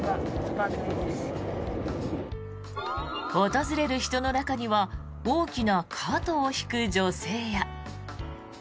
訪れる人の中には大きなカートを引く女性や。